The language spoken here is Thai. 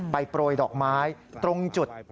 โปรยดอกไม้ตรงจุด